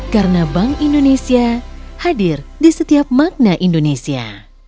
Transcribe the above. karena bank indonesia hadir di setiap makna indonesia